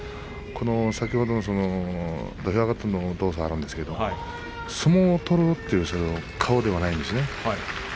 先ほどの土俵上がっての動作もあるんですが相撲を取ろうという顔ではないんですね。